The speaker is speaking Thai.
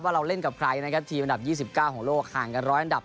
เราเล่นกับใครนะครับทีมอันดับ๒๙ของโลกห่างกัน๑๐๐อันดับ